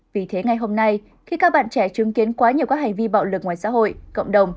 vì thế ngày hôm nay khi các bạn trẻ chứng kiến quá nhiều các hành vi bạo lực ngoài xã hội cộng đồng